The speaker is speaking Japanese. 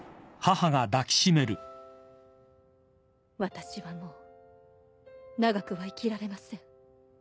私はもう長くは生きられません。